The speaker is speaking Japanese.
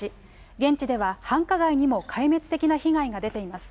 現地では、繁華街にも壊滅的な被害が出ています。